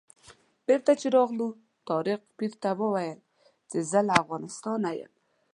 بېرته چې راغلو طارق پیر ته وویل چې زه له افغانستانه یم.